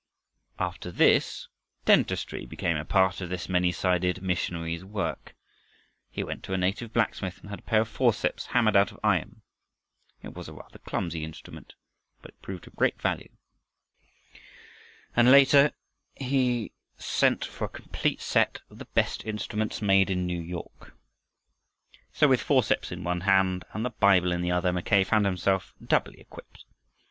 After this, dentistry became a part of this many sided missionary's work. He went to a native blacksmith and had a pair of forceps hammered out of iron. It was a rather clumsy instrument, but it proved of great value, and later he sent for a complete set of the best instruments made in New York. So with forceps in one hand and the Bible in the other, Mackay found himself doubly equipped.